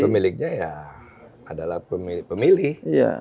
pemiliknya ya adalah pemilih